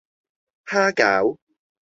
蝦餃